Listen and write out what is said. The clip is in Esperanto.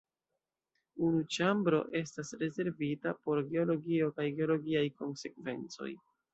Unu ĉambro estas rezervita por geologio kaj geologiaj konsekvencoj.